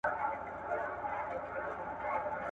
په اولس کي د «دهرتي مايي» په نامه بلل کېږي